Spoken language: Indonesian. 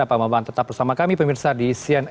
pak bambang tetap bersama kami pemirsa di cnn indonesia